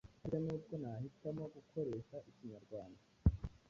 Harya nubwo nahitamo gukoresha ikinyarwanda